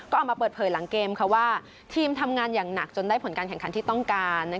ก็ออกมาเปิดเผยหลังเกมว่าทีมทำงานอย่างหนักจนได้ผลการแข่งขันที่ต้องการ